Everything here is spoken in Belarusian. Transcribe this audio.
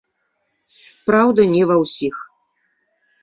Праўда, не ва ўсіх.